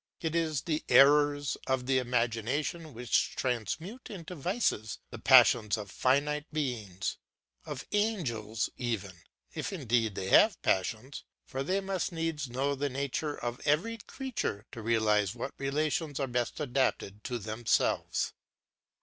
It is the errors of the imagination which transmute into vices the passions of finite beings, of angels even, if indeed they have passions; for they must needs know the nature of every creature to realise what relations are best adapted to themselves.